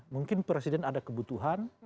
mungkin presiden ada kebutuhan